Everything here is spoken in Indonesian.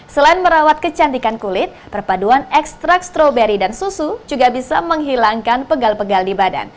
selain merawat kecantikan kulit perpaduan ekstrak stroberi dan susu juga bisa menghilangkan pegal pegal di badan